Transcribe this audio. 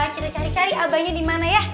kita cari cari abahnya dimana ya